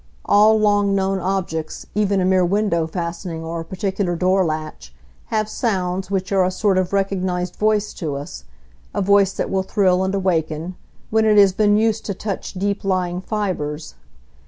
All long known objects, even a mere window fastening or a particular door latch, have sounds which are a sort of recognised voice to us,—a voice that will thrill and awaken, when it has been used to touch deep lying fibres.